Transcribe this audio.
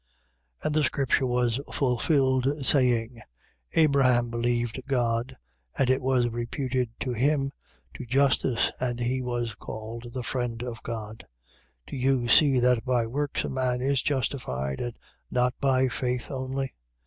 2:23. And the scripture was fulfilled, saying: Abraham believed God, and it was reputed to him to justice, and he was called the friend of God. 2:24. Do you see that by works a man is justified, and not by faith only?